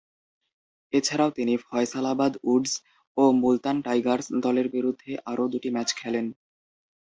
এছাড়াও তিনি "ফয়সালাবাদ উডস" ও "মুলতান টাইগার্স" দলের বিরুদ্ধে আরও দুটি ম্যাচ খেলেন।